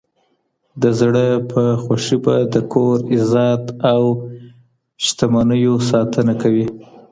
د زړه په خوښي به د کور، عزت او شتمنيو ساتنه کوي.